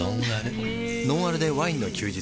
「ノンアルでワインの休日」